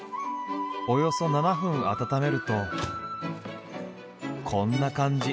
およそ７分温めるとこんな感じ。